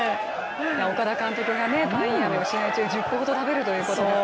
岡田監督がパインアメを試合中に１０個ほど食べるということを。